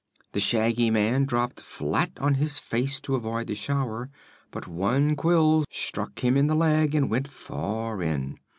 The Shaggy Man dropped flat on his face to avoid the shower, but one quill struck him in the leg and went far in.